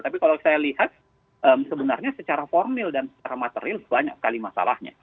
tapi kalau saya lihat sebenarnya secara formil dan secara material banyak sekali masalahnya